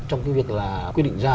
trong cái việc là quy định ra